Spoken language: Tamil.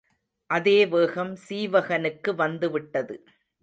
அதே வேகம் சீவகனுக்கு வந்துவிட்டது.